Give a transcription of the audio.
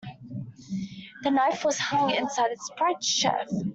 The knife was hung inside its bright sheath.